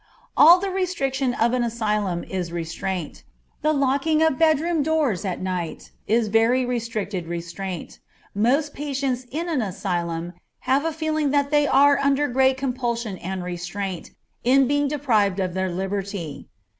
_ All the restriction of an asylum is restraint. The locking of bedroom doors at night is very restricted restraint. Most patients in an asylum have a feeling that they are under great compulsion and restraint, in being deprived of their liberty.